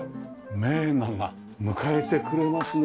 名画が迎えてくれますね。